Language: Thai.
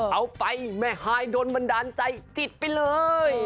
เอาไปแม่ฮายโดนบันดาลใจจิตไปเลย